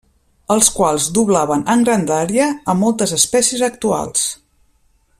Els quals doblaven en grandària a moltes espècies actuals.